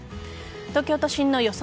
東京都心の予想